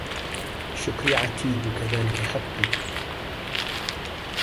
شكري عتيد وكذاك حقدي